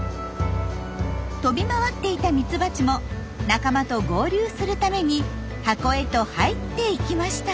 飛び回っていたミツバチも仲間と合流するために箱へと入っていきました。